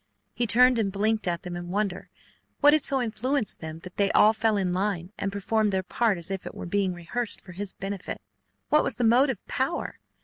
He turned and blinked at them in wonder. What had so influenced them that they all fell in line and performed their part as if it were being rehearsed for his benefit? What was the motive power?